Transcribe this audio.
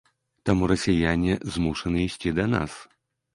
Таму расіяне змушаны ісці да нас.